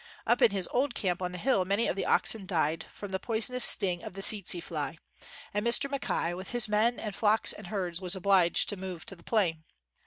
Up in his old camp on the hill, many of the oxen died from the poisonous sting of the tsetse fly, and Mr. Mackay with his men and flocks and herds was obliged to move to the plain.